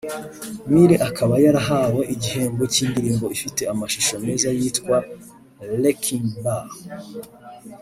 Miley akaba yarahawe igihembo cy’Indirimbo ifite amashusho meza yitwa “Wrecking Ball”